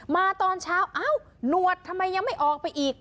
ตอนเช้าเอ้าหนวดทำไมยังไม่ออกไปอีก